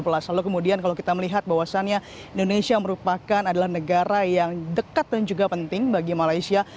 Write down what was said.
lalu kemudian kalau kita melihat bahwasannya indonesia merupakan adalah negara yang dekat dan juga penting bagi malaysia